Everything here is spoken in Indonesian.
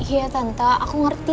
iya tante aku ngerti